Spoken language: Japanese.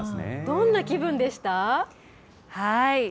どんな気分でした？